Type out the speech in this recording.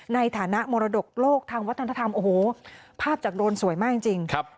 ในฐานะมรดกโลกทางวัฒนธรรมโอ้โหภาพจากโรนสวยมากจริง